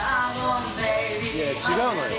いや違うのよ